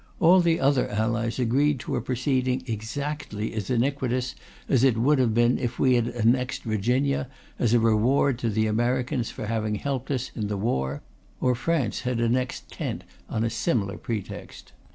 All the other Allies agreed to a proceeding exactly as iniquitous as it would have been if we had annexed Virginia as a reward to the Americans for having helped us in the war, or France had annexed Kent on a similar pretext.